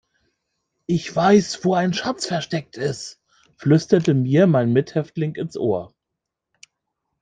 Ich weiß, wo ein Schatz versteckt ist, flüsterte mir mein Mithäftling ins Ohr.